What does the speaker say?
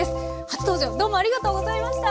初登場どうもありがとうございました。